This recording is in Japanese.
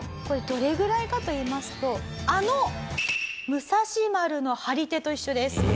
これどれぐらいかといいますとあの武蔵丸の張り手と一緒です。